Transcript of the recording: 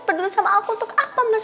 peduli sama aku untuk apa mas